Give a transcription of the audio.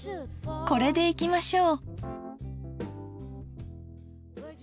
これでいきましょう。